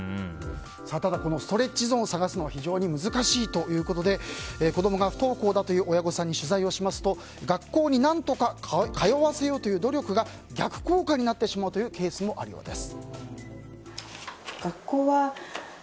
ただ、ストレッチゾーンを探すのは非常に難しいということで子供が不登校だという親御さんに取材をしますと学校に何とか通わせようという努力が逆効果になってしまうケースもあるようです。